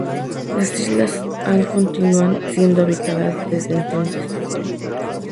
Las islas han continúan siendo habitadas desde entonces.